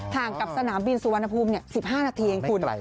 ถ่างกับสนามบินสุวรรณภูมิเนี่ย๑๕นาทีเองคุณ